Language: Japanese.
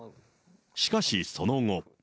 しかし、その後。